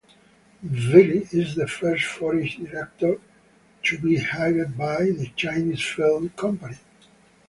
Bille is the first foreign director to be hired by the Chinese film company.